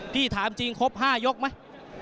พี่ถามจริงครบ๕ยกไหม